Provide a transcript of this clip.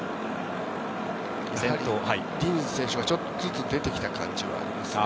ディニズ選手がちょっとずつ出てきた感じはありますね。